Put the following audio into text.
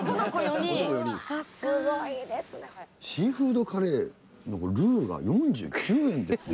シーフードカレーのルーが４９円で。